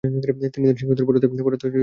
তিনি তার শিক্ষকদেরও পড়াতে সাহায্য করতেন।